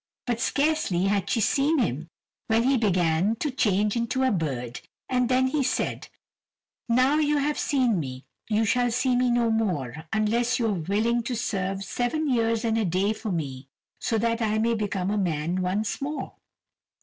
But scarcely had she seen him when he began to change into a bird, and then he said: "Now you have seen me, you shall see me no more, unless you are willing to serve seven years and a day for me, so that I may become a man once more."